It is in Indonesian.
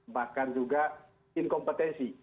bahkan juga inkompetensi